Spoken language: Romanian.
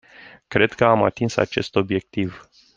Cred că am atins acest obiectiv.